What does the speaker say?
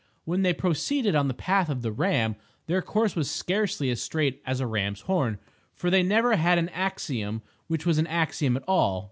When they proceeded on the path of the Ram, their course was scarcely as straight as a ram's horn, for they never had an axiom which was an axiom at all.